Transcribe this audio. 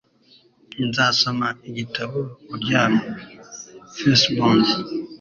Nzasoma igitabo uryamye. (fcbond)